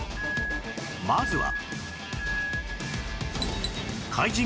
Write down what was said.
まずは